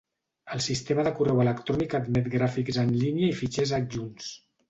El sistema de correu electrònic admet gràfics en línia i fitxers adjunts.